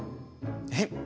えっ？